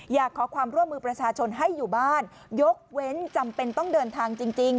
อยากขอความร่วมมือประชาชนให้อยู่บ้านยกเว้นจำเป็นต้องเดินทางจริง